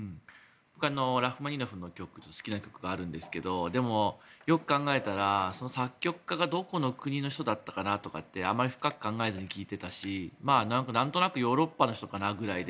ラフマニノフの曲で好きな曲があるんですがよく考えたら作曲家がどこの人だったかというのはあまり深く考えずに聴いていたし、なんとなくヨーロッパの人かなぐらいで。